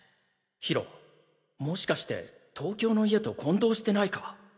ヒロもしかして東京の家と混同してないか？